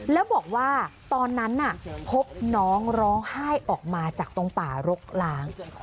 แล้วบอกว่าตอนนั้นน่ะพบน้องร้องไห้ออกมาจากตรงป่ารกล้าง